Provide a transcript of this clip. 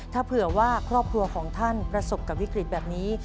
ถ้าเผื่อว่าครอบครัวของท่านประสบกับวิกฤตแบบนี้